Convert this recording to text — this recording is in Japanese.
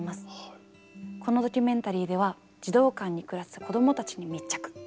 このドキュメンタリーでは児童館に暮らす子どもたちに密着。